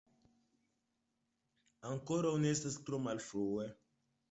Ankoraŭ ne estas tro malfrue!